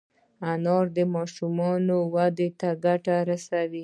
انار د ماشومانو وده ته ګټه رسوي.